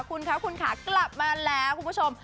คุณคะคุณค่ะกลับมาแล้วคุณผู้ชม